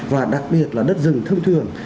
và đặc biệt là đất dựng thông thường